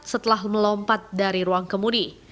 setelah melompat dari ruang kemudi